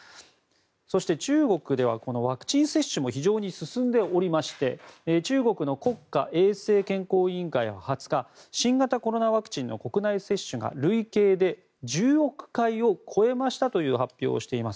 そして、中国ではこのワクチン接種も非常に進んでおりまして中国の国家衛生健康委員会は２０日新型コロナワクチンの国内接種が累計で１０億回を超えたという発表をしています。